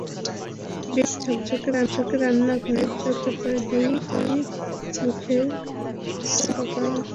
বেশ ঝকঝকে রান্নাঘরে ঢুকতেই চোখে পড়ে দুই মুখের সিমেন্টের পাকা চুলা।